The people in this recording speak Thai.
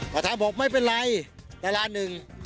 วัตถานบอกไม่เป็นไรแค่ล้านหนึ่ง